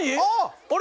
あれ？